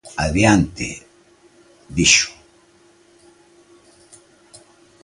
Adiante! dixo.